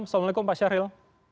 assalamualaikum pak syahril